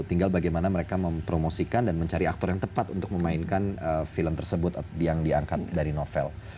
tinggal bagaimana mereka mempromosikan dan mencari aktor yang tepat untuk memainkan film tersebut yang diangkat dari novel